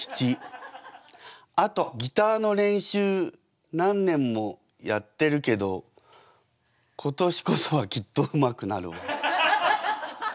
あとギターの練習何年もやってるけど今年こそはきっとうまくなるわ」。